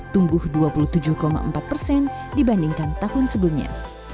tumbuh dua puluh tujuh empat persen dibandingkan tahun sebelumnya